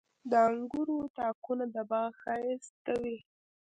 • د انګورو تاکونه د باغ ښایست کوي.